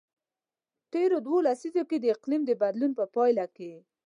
تیرو دوو لسیزو کې د اقلیم د بدلون په پایله کې.